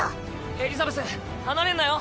エリザベス離れんなよ。